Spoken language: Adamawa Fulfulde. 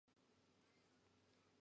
Daga toy ceede ummata wara ?